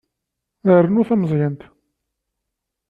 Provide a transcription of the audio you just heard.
Rnu tameẓyant.